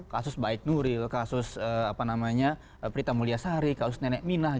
kasus baik nuril kasus prita mulyasari kasus nenek minah